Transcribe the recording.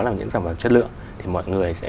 làm những sản phẩm chất lượng thì mọi người sẽ